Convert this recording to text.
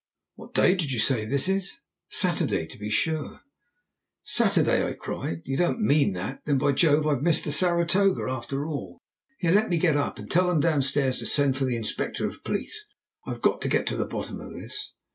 "What day did you say this is?" "Saturday, to be sure." "Saturday!" I cried. "You don't mean that! Then, by Jove, I've missed the Saratoga after all. Here, let me get up! And tell them downstairs to send for the Inspector of Police. I have got to get to the bottom of this."